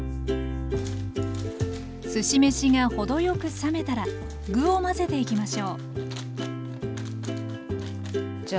すし飯が程よく冷めたら具を混ぜていきましょうじゃあ